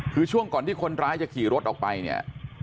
คือช่วงก่อนที่คนร้ายจะขี่รถออกไปเนี่ย